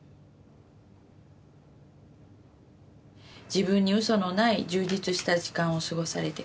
「自分に嘘のない充実した時間を過ごされて下さい。